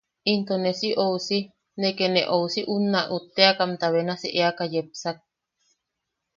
Into ne si ousi... ne ke ne ousi unna utteʼakamta benasi eaka yepsak.